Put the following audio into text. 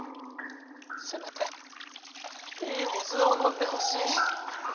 せめていい水を飲んでほしい！